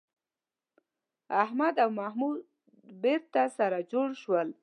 احمد او محمود بېرته سره جوړ شول